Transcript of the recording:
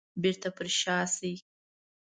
بيرته پر شا شي.